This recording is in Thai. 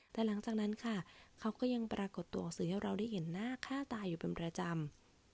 แต่หลังจากนั้นค่ะเขาก็ยังปรากฏตัวหนังสือให้เราได้เห็นหน้าฆ่าตายอยู่เป็นประจำ